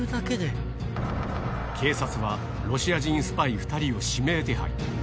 警察は、ロシア人スパイ２人を指名手配。